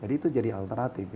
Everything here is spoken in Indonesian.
itu jadi alternatif